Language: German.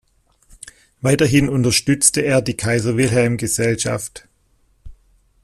Weiterhin unterstützte er die Kaiser-Wilhelm-Gesellschaft.